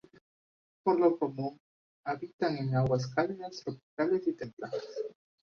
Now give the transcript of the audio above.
Por lo común habitan en aguas cálidas tropicales y templadas.